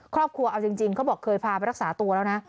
ครอบครัวเอาจริงเขาบอกเคยพาไปรักษาตัวแล้วนะ